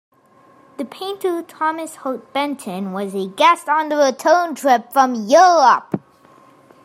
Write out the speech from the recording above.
The painter Thomas Hart Benton was a guest on the return trip from Europe.